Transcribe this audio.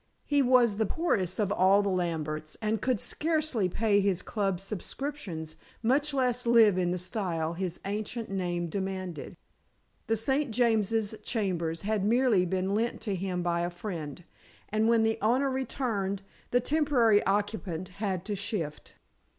He was the poorest of all the Lamberts, and could scarcely pay his club subscriptions, much less live in the style his ancient name demanded. The St. James's chambers had merely been lent to him by a friend, and when the owner returned, the temporary occupant had to shift.